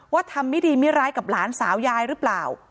ทำไม่ดีไม่ร้ายกับหลานสาวยายหรือเปล่า